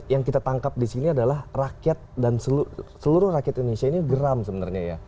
yang kita tangkap di sini adalah rakyat dan seluruh rakyat indonesia ini geram sebenarnya ya